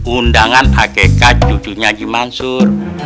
undangan akk cucunya aji mansur